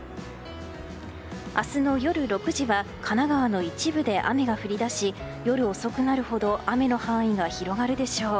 明日の夜６時は神奈川の一部で雨が降り出し夜遅くなるほど雨の範囲が広がるでしょう。